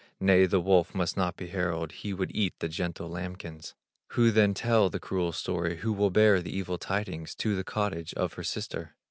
Nay, the wolf must not be herald, He would eat the gentle lambkins. Who then tell the cruel story, Who will bear the evil tidings. To the cottage of her sister?